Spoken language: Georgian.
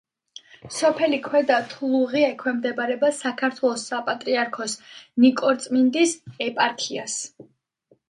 სოფელი ქვედა თლუღი ექვემდებარება საქართველოს საპატრიარქოს ნიკორწმინდის ეპარქიას.